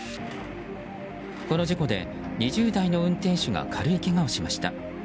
この事故で２０代の運転手が軽いけがをしました。